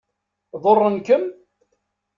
Ḍurren-kem?